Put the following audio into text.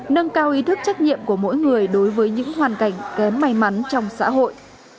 nâng cao ý thức trách nhiệm của mỗi người đối với những hoàn cảnh kém may mắn trong xã hội